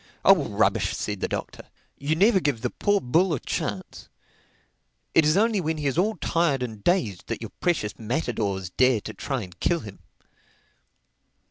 "Oh, rubbish!" said the Doctor. "You never give the poor bull a chance. It is only when he is all tired and dazed that your precious matadors dare to try and kill him."